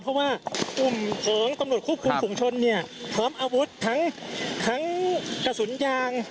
เพราะว่ากลุ่มของตำรวจควบคุมฝุงชนเนี่ยพร้อมอาวุธทั้งกระสุนยาง